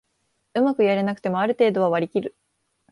うまくやれなくてもある程度は割りきる